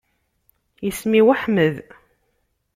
Isem-iw Ḥmed.